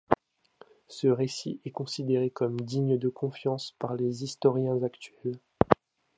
Ce récit est considéré comme digne de confiance par les historiens actuels.